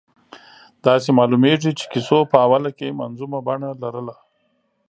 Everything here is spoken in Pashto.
داسې معلومېږي چې کیسو په اوله کې منظومه بڼه لرله.